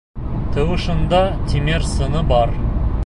Тауышында тимер сыңы бар.